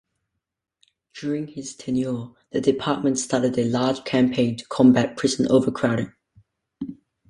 During his tenure, the Department started a large campaign to combat prison overcrowding.